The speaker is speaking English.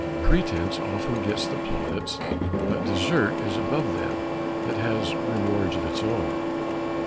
Pretence often gets the plaudits, but desert is above them it has rewards of its own.